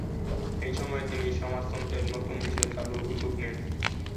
এ সময়ে তিনি সমাজতন্ত্রের নতুন বিষয় চালুর উদ্যোগ নেন।